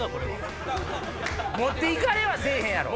持って行かれはせぇへんやろ。